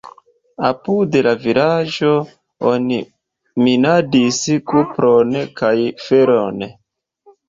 Apud la vilaĝo oni minadis kupron kaj feron.